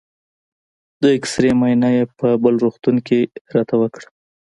د اېکسرې معاینه یې په بل روغتون کې راته وکړه.